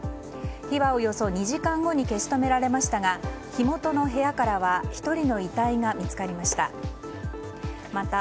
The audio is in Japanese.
火はおよそ２時間後に消し止められましたが火元の部屋からは１人の遺体が見つかりました。